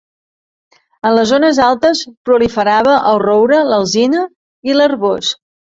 En les zones altes proliferava el roure, l'alzina i l'arboç.